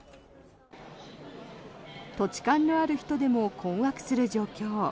土地勘のある人でも困惑する状況。